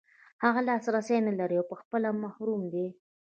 هغه لاسرسی نلري او په خپله محروم دی.